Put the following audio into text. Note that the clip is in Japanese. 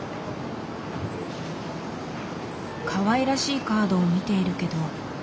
かわいらしいカードを見ているけど。